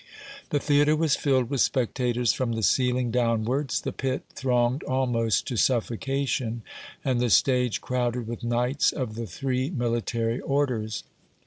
The theatre was filled with spectators from the ceiling downwards, the pit thronged almost to suffocation, and the stage crowded with knights of the three military orders.